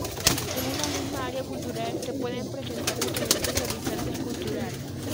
En una misma área cultural se pueden presentar diferentes horizontes culturales.